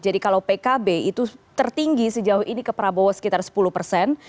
jadi kalau pkb itu tertinggi sejauh ini ke prabowo sekitar sepuluh persen